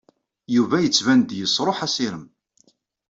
Yuba yettban-d yesṛuḥ assirem.